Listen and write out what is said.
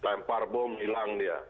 lempar bom hilang dia